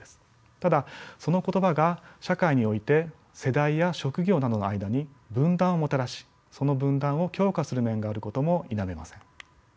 ただその言葉が社会において世代や職業などの間に分断をもたらしその分断を強化する面があることも否めません。